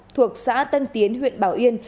thuộc xã tân tiến huyện bảo yên